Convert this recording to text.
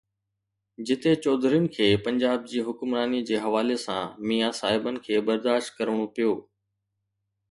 جتي چوڌرين کي پنجاب جي حڪمرانيءَ جي حوالي سان ميان صاحبن کي برداشت ڪرڻو پيو.